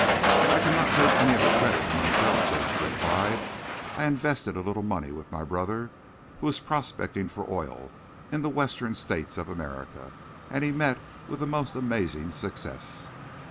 "I cannot take any of the credit to myself," Jacob replied. "I invested a little money with my brother, who was prospecting for oil in the western States of America, and he met with the most amazing success."